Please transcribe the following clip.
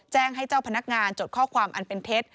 แจ้งให้เจ้าพนักงานจดข้อความอันเป็นเท็จ